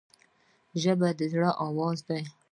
ژبه د زړه آواز دی